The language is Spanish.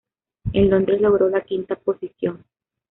En Londres logró la quinta posición.